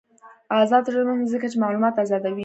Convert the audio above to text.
آزاد تجارت مهم دی ځکه چې معلومات آزادوي.